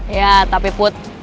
ya tapi put